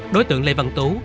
đối tượng lê văn tú